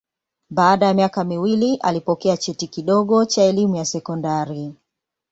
Baada ya miaka miwili alipokea cheti kidogo cha elimu ya sekondari.